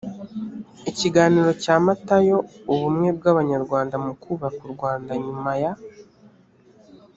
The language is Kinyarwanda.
ikiganiro cya matayo ubumwe bw abanyarwanda mu kubaka u rwanda nyuma ya